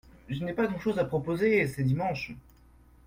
Je n’ai pas grand-chose à proposer, c’est dimanche